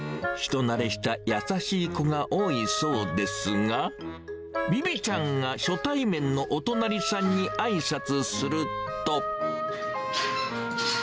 人慣れした優しい子が多いそうですが、ビビちゃんが初対面のお隣さんにあいさつすると。